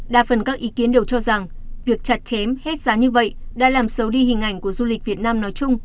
đa phần các ý kiến đều cho rằng việc chặt chém hết giá như vậy đã làm xấu đi hình ảnh của du lịch việt nam nói chung